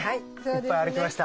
いっぱい歩きました。